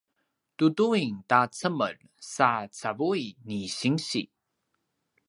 duduin ta cemel sa cavui ni sinsi